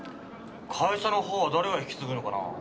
会社のほうは誰が引き継ぐのかな？